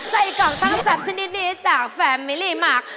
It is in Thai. ใส่กล่องทั้ง๓ชนิดนี้จากแฟมมิลีมาก